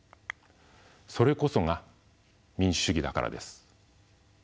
それこそが民主主義だからです。